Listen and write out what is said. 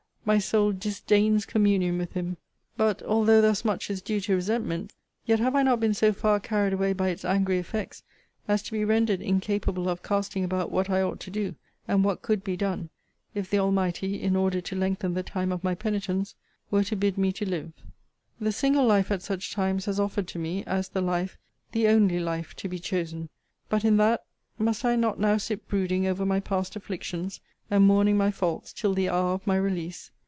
my soul disdains communion with him. 'But, although thus much is due to resentment, yet have I not been so far carried away by its angry effects as to be rendered incapable of casting about what I ought to do, and what could be done, if the Almighty, in order to lengthen the time of my penitence, were to bid me to live. 'The single life, at such times, has offered to me, as the life, the only life, to be chosen. But in that, must I not now sit brooding over my past afflictions, and mourning my faults till the hour of my release?